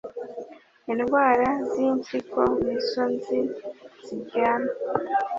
indwara z'impyiko nizo nzi ziryana